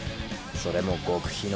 それも極秘の。